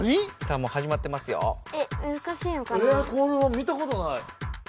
見たことない？